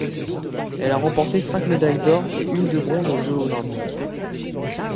Elle a remporté cinq médailles d'or et une de bronze aux Jeux olympiques.